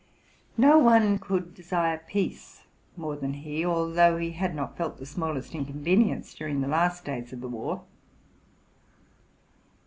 No one could desire peace more than he, although he had not felt the smallest inconvenience during the last days of the war.